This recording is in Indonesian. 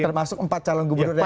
termasuk empat calon gubernur yang